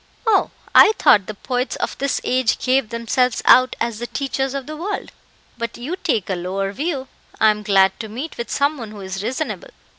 "Oh, I thought the poets of this age gave themselves out as the teachers of the world; but you take a lower view. I am glad to meet with some one who is reasonable.